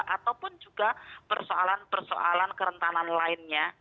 ataupun juga persoalan persoalan kerentanan lainnya